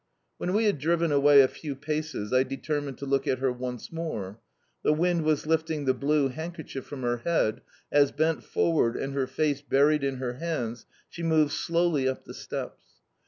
When we had driven away a few paces I determined to look at her once more. The wind was lifting the blue handkerchief from her head as, bent forward and her face buried in her hands, she moved slowly up the steps.